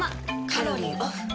カロリーオフ。